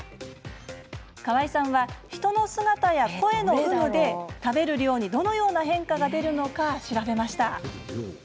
川合さんは、人の姿や声の有無で食べる量にどのような変化が出るのか調べました。